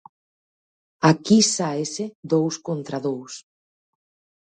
Aquí sáese dous contra dous.